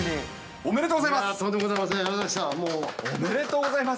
おめでとうございます。